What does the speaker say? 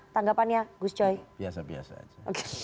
tanggapannya gus coy biasa biasa aja